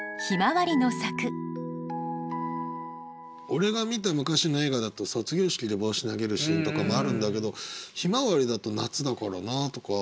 俺が見た昔の映画だと卒業式で帽子投げるシーンとかもあるんだけど「向日葵」だと夏だからなあとか。